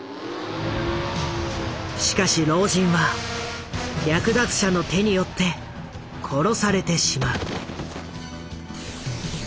しかし老人は略奪者の手によって殺されてしまう。